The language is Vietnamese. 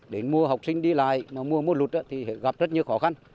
đến mùa học sinh đi lại mùa mưa lụt thì gặp rất nhiều khó khăn